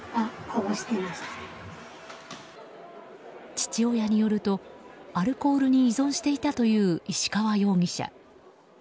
父親によると、アルコールに依存していたという石川容疑者。